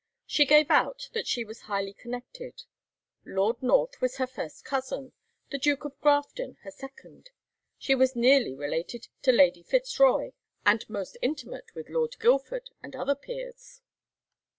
She gave out that she was highly connected: Lord North was her first cousin, the Duke of Grafton her second; she was nearly related to Lady Fitz Roy, and most intimate with Lord Guildford and other peers.